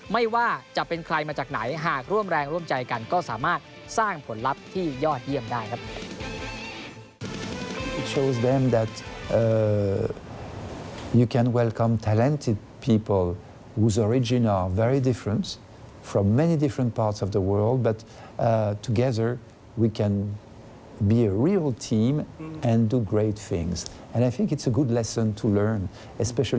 ไม่ว่าจะเป็นใครมาจากไหนหากร่วมแรงร่วมใจกันก็สามารถสร้างผลลัพธ์ที่ยอดเยี่ยมได้ครับ